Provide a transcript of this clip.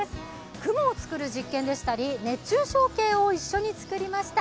雲を作る実験でしたり、熱中症計を一緒に作りました。